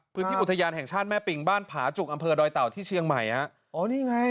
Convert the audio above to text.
คือพิพิอุทยานแห่งชาติแม่ปิ่งบ้านผาจุกอำเภอดอยเต่าที่เชียงใหม่